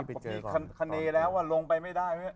ผมเคมีคณีตแล้วลงไปไม่ได้